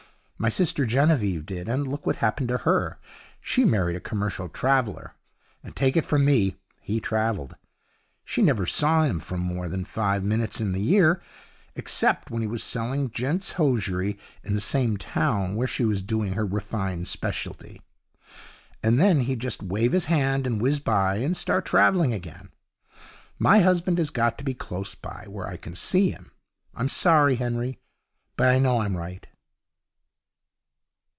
My sister Genevieve did, and look what happened to her. She married a commercial traveller, and take it from me he travelled. She never saw him for more than five minutes in the year, except when he was selling gent's hosiery in the same town where she was doing her refined speciality, and then he'd just wave his hand and whiz by, and start travelling again. My husband has got to be close by, where I can see him. I'm sorry, Henry, but I know I'm right.'